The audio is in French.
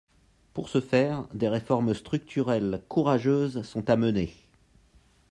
Pour ce faire, des réformes structurelles courageuses sont à mener.